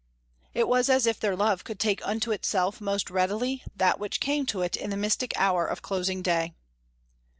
It was as if their love could take unto itself most readily that which came to it in the mystic hour of closing day.